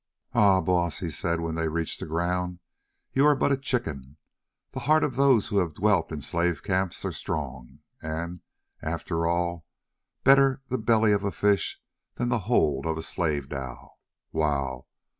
"Ah! Baas," he said when they reached the ground, "you are but a chicken. The hearts of those who have dwelt in slave camps are strong, and, after all, better the belly of a fish than the hold of a slave dhow. _Wow!